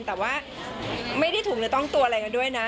แต่ว่าไม่ได้ถูกหรือต้องตัวอะไรกันด้วยนะ